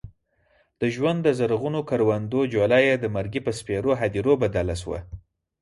د ژوند د زرغونو کروندو جوله یې د مرګي په سپېرو هديرو بدله شوه.